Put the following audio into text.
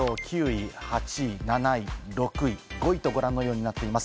９位、８位、７位、６位、５位と、ご覧のようになっています。